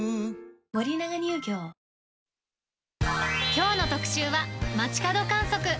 きょうの特集は、街角観測。